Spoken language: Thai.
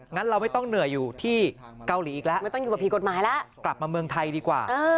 งั้นเราไม่ต้องเหนื่อยอยู่ที่เกาหลีอีกแล้วกลับมาเมืองไทยดีกว่า